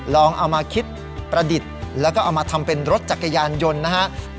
ลองเอามาคิดประดิษฐ์แล้วก็เอามาทำเป็นรถจักรยานยนต์นะฮะ